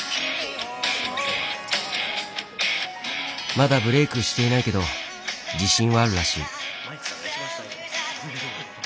まだブレークしていないけど自信はあるらしい。